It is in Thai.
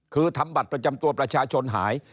คือทำบัตรประจำตัวประชาชนหาย